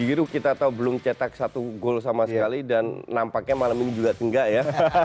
giro kita tahu belum cetak satu gol sama sekali dan nampaknya malam ini juga enggak ya